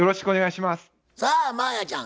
さあ真彩ちゃん